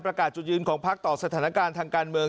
ประกาศจุดยืนของภัครต่อสถานการณ์ทางการเมือง